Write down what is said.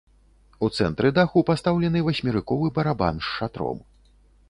У цэнтры даху пастаўлены васьмерыковы барабан з шатром.